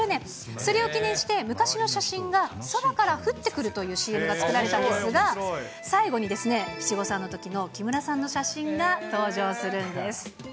それを記念して、昔の写真が空から降ってくるというＣＭが作られたんですが、最後に七五三のときの木村さんの写真が登場するんです。